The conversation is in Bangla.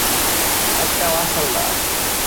একটাও আসল না।